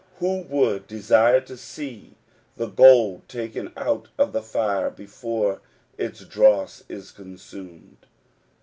Who would desire to see the gold taken out of the fire before its dross is consumed